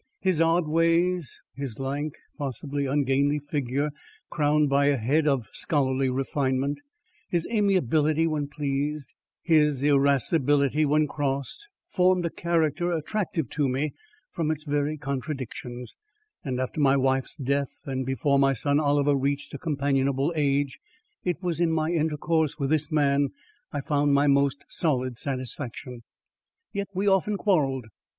His odd ways, his lank, possibly ungainly figure crowned by a head of scholarly refinement, his amiability when pleased, his irascibility when crossed, formed a character attractive to me from its very contradictions; and after my wife's death and before my son Oliver reached a companionable age, it was in my intercourse with this man I found my most solid satisfaction. Yet we often quarrelled.